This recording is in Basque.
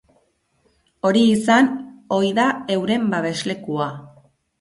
Hori izan ohi da euren babeslekua.